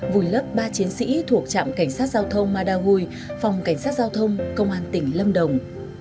vùi lấp ba chiến sĩ thuộc trạm cảnh sát giao thông madagui phòng cảnh sát giao thông công an tỉnh lâm đồng